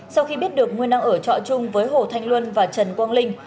sau khi biết được nguyên đang ở trọ chung với hồ thanh luân và trần quang linh